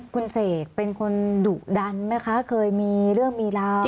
คุณเสกเป็นคนดุดันไหมคะเคยมีเรื่องมีราว